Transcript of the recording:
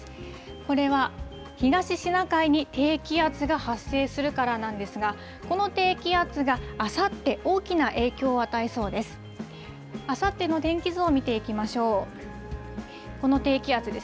これは東シナ海に低気圧が発生するからなんですが、この低気圧があさって、大きな影響を与えそうです。